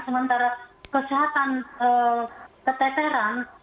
sementara kesehatan keteteran